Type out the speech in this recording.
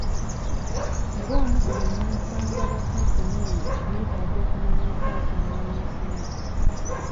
Ng'omu ku bannasangwa ba kampuni eno neetaga okumanya ensasaanya y'ensimbi.